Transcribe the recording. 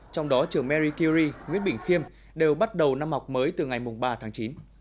trong đó trường mary curie nguyễn bình khiêm đều bắt đầu năm học mới từ ngày ba tháng chín